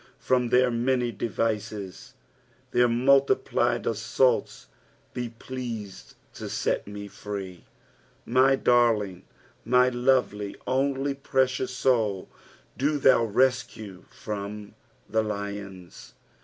From their many devices ; their multiplied aasaultB, be pleased to set me free, " ify darling," my lovely, only, precious soul, do thou rescue "from the lion*."